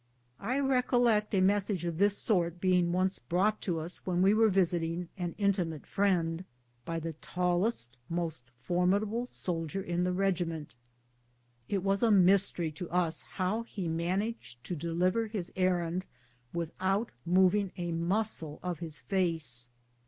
I recollect a message of this sort being once brought to us when we were visiting an intimate friend, by the tallest, most formidable soldier in the regiment. 7 146 BOOTS AND SADDLES. It was a mjsterj to us how he managed to deliver his errand without moving a muscle of his face.